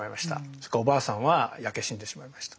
それからおばあさんは焼け死んでしまいました。